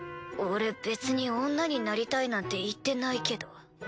俺別に女になりたいなんて言ってないけど。